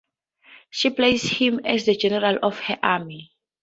She placed him as the general of her army.